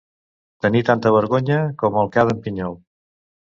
Tenir tanta vergonya com el ca d'en Pinyol.